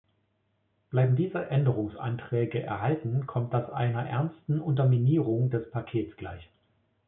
Bleiben diese Änderungsanträge erhalten, kommt das einer ernsten Unterminierung des Pakets gleich.